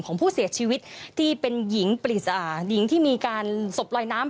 ของผู้เสียชีวิตที่เป็นหญิงหญิงที่มีการสบลอยน้ำ